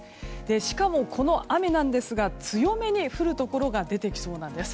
しかも、この雨ですが強めに降るところが出てきそうなんです。